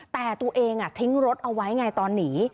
แต่ตัวเองทิ้งรถเอาไว้ไงตอนหนี